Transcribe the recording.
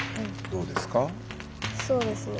どうですか？